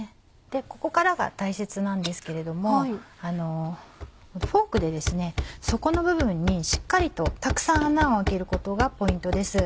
ここからが大切なんですけれどもフォークで底の部分にしっかりとたくさん穴を開けることがポイントです。